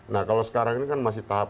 nah kalau sekarang ini kan masih tahap